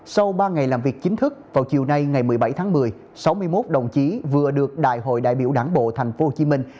sau ba ngày làm việc chính thức vào chiều nay ngày một mươi bảy tháng một mươi sáu mươi một đồng chí vừa được đại hội đại biểu đảng bộ thành phố hồ chí minh